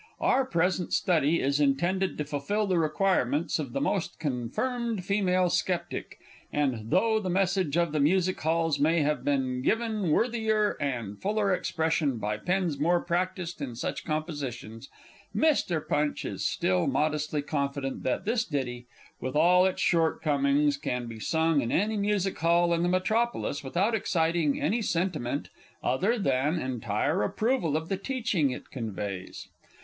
Our present study is intended to fulfil the requirements of the most confirmed female sceptic, and, though the Message of the Music Halls may have been given worthier and fuller expression by pens more practised in such compositions, Mr. Punch is still modestly confident that this ditty, with all its shortcomings, can be sung in any Music Hall in the Metropolis without exciting any sentiment other than entire approval of the teaching it conveys.